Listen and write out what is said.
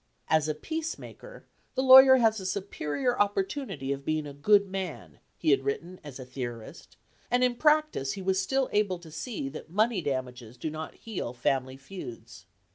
"As a peacemaker the lawyer has a superior opportunity of being a good man" he had written as a theorist, and in practice he was still able to see that money damages do not heal family feuds.